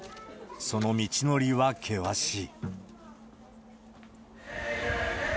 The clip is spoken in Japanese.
その道のりは険しい。